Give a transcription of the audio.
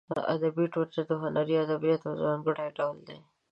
ادبي ټوټه د هنري ادبیاتو یو ځانګړی ډول دی.